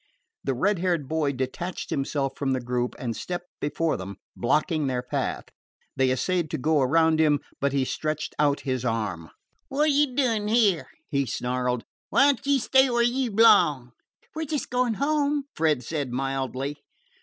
The red haired boy detached himself from the group, and stepped before them, blocking their path. They essayed to go around him, but he stretched out his arm. "Wot yer doin' here?" he snarled. "Why don't yer stay where yer b'long?" "We 're just going home," Fred said mildly.